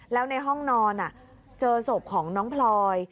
แล้วในห้องนอนเจอศพของน้องพลอย